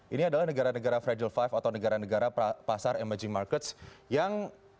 ini adalah negara negara fragile five atau negara negara pasar emerging market yang